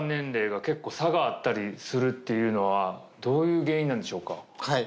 蒜陲結構差があったりするっていうのは匹Δい原因なんでしょうか？